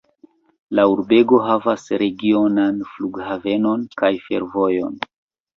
La urbego havas regionan flughavenon kaj fervojon.